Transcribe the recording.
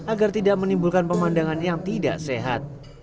agar tidak menimbulkan pemandangan yang tidak sehat